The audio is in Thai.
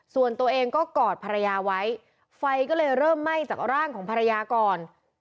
ส่วนตัวเองก็กอดภรรยาไว้ไฟก็เลยเริ่มไหม้จากร่างของภรรยาก่อน